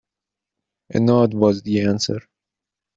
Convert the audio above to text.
A nod was the answer.